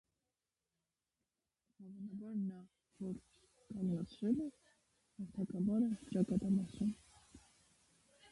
Հավանաբար նա է, որ կանգնեցրել է հաղթակամարը ճակատամասում։